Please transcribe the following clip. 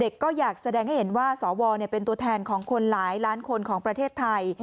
อยากแสดงให้เห็นว่าสวเป็นตัวแทนของคนหลายล้านคนของประเทศไทย